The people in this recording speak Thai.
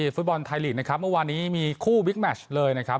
ฟุตบอลไทยหลีนนะครับเมื่อนี้มีคู่มโหเลยนะครับ